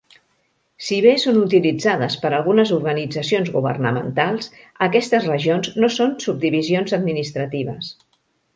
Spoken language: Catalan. Si bé són utilitzades per algunes organitzacions governamentals, aquestes regions no són subdivisions administratives.